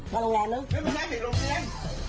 ไม่เป็นไรเป็นโรงแรม